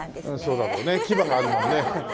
そうだろうね牙があるもんね。